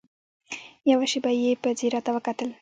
يوه شېبه يې په ځير راته وکتل.